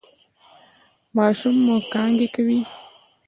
ماشوم مو کانګې کوي؟